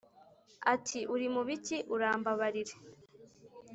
ati"uri mubiki urambabarire"